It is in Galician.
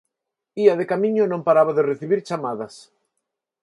Ía de camiño e non paraba de recibir chamadas.